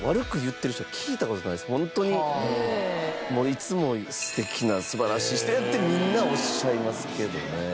いつも「素敵な素晴らしい人や」ってみんなおっしゃいますけどね。